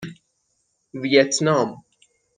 ویتنام